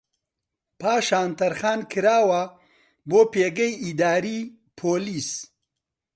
پاشان تەرخان کراوە بۆ پێگەی ئیداریی پۆلیس